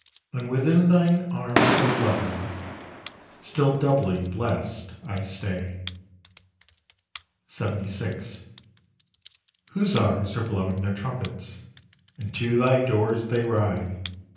And within thine arms so lovely, Still doubly blest I stay. LXXVI. Hussars are blowing their trumpets, And to thy doors they ride.